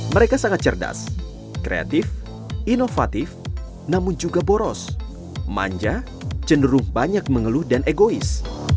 mereka sangat cerdas kreatif inovatif namun juga boros manja cenderung banyak mengeluh dan egois